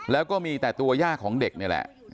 แล้วก็มีแต่ตัวย่าของเด็กนี่แหละ